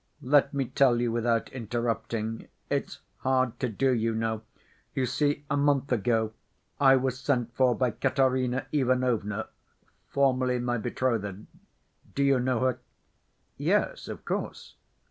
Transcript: Let me tell you without interrupting. It's hard to do, you know. You see, a month ago, I was sent for by Katerina Ivanovna, formerly my betrothed. Do you know her?" "Yes, of course."